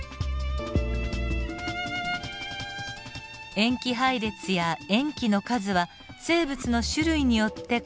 塩基配列や塩基の数は生物の種類によって異なります。